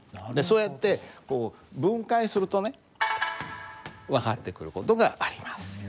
そうやってこう分解するとね分かってくる事があります。